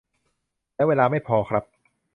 และเวลาไม่พอครับ